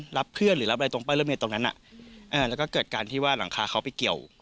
รับเพื่อนหรือรับอะไรตรงป้ายรถเมย์ตรงนั้นแล้วก็เกิดการที่ว่าหลังคาเขาไปเกี่ยว